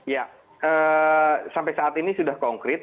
ya sampai saat ini sudah konkret